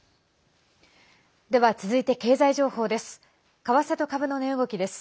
では、続いて経済情報です。